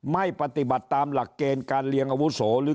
ไม่ปฏิบัติตามหลักเกณฑ์การเรียงอาวุโสหรือ